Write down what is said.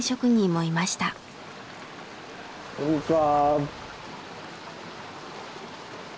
こんにちは。